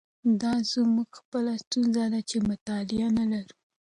دا زموږ خپله ستونزه ده چې مطالعه نه لرو.